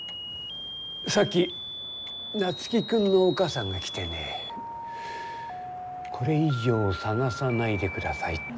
さっき夏樹君のお母さんが来てねこれ以上探さないでくださいって。